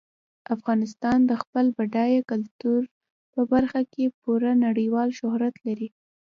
افغانستان د خپل بډایه کلتور په برخه کې پوره نړیوال شهرت لري.